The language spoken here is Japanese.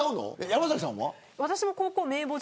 山崎さんは。